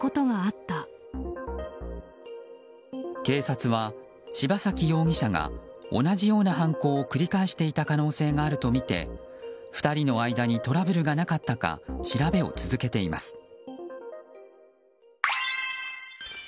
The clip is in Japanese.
警察は柴崎容疑者が同じような犯行を繰り返していた可能性があるとみて２人の間にトラブルがなかったか調べを続けています。